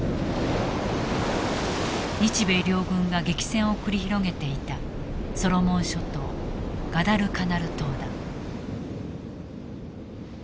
日米両軍が激戦を繰り広げていたソロモン諸島ガダルカナル島だ。